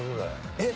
えっ？